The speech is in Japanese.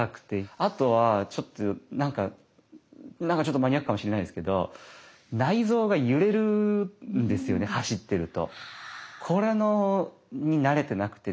あとはちょっと何か何かちょっとマニアックかもしれないですけど走ってると。